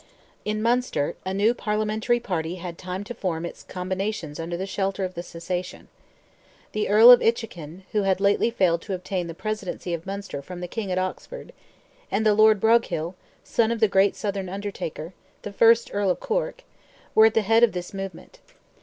In Munster, a new Parliamentary party had time to form its combinations under the shelter of the cessation. The Earl of Inchiquin, who had lately failed to obtain the Presidency of Munster from the King at Oxford, and the Lord Broghill, son of the great Southern Undertaker—the first Earl of Cork,—were at the head of this movement.